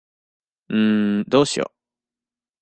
んーどうしよ。